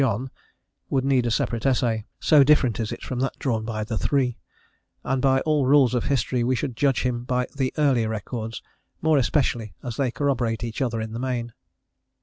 John" would need a separate essay, so different is it from that drawn by the three; and by all rules of history we should judge him by the earlier records, more especially as they corroborate each other in the main.